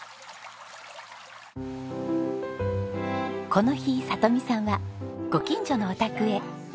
この日里美さんはご近所のお宅へ。